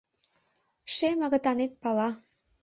Шем агытанет пала.